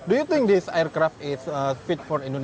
apakah pesawat ini berguna untuk pesawat tni au